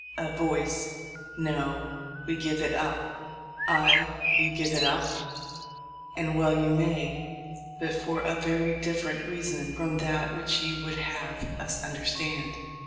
[A voice 'No, we give it up'] Aye! you give it up, and well you may; but for a very different reason from that which you would have us understand.